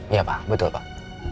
iya pak betul pak